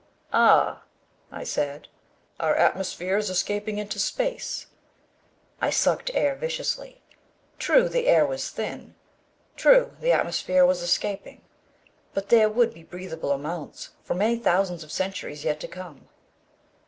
"Ah," I said. "Our atmosphere is escaping into space." I sucked air, viciously. True, the air was thin. True, the atmosphere was escaping. But there would be breathable amounts for many thousands of centuries yet to come.